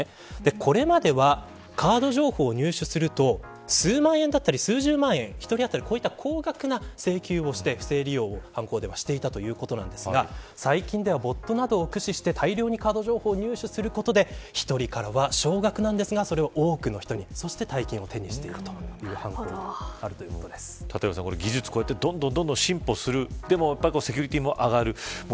これまではカード情報を入手すると数万円だったり、数十万円１人当たり高額な請求をして不正利用をしていたということですが最近はｂｏｔなどを駆使して大量にカード情報を入手することで１人からは、少額ですが多くの人から、そして大量に手にするということが技術が進歩するでも、セキュリティーも上がる。